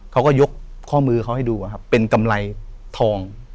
เขาก็ยกข้อมือเขาให้ดูเป็นกำไรทอง